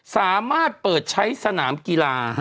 สามารถเปิดใช้สนามกีฬา